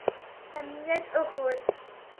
صمیمیت وښود.